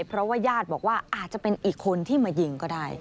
เพราะว่าญาติบอกว่าอาจจะเป็นอีกคนที่มายิงก็ได้